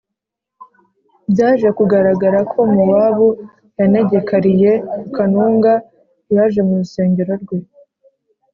Byaje Kugaragara Ko Mowabu Yanegekariye Ku Kanunga Yaje Mu Rusengero Rwe